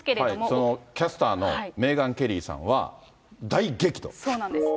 そのキャスターのメーガン・ケリーさんは、そうなんです。